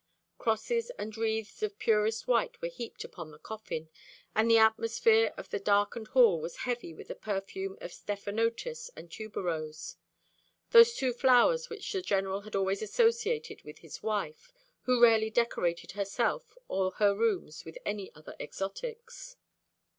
Crosses and wreaths of purest white were heaped upon the coffin, and the atmosphere of the darkened hall was heavy with the perfume of stephanotis and tuberose; those two flowers which the General had always associated with his wife, who rarely decorated herself or her rooms with any other exotics.